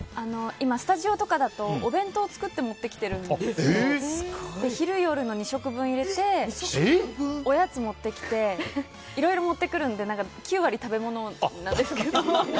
今、スタジオとかだとお弁当を作って持ってきてるんですけど昼・夜の２食分入れておやつ持ってきていろいろ持ってくるので９割食べ物なんですけど。